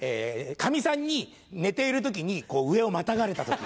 カミさんに寝ている時に上をまたがれた時。